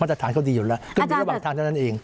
มาตรฐานเขาดีอยู่แล้วก็มีระหว่างฐานเท่านั้นเอง